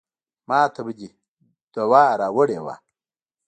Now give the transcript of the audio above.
ماته به دې دوا راوړې وه.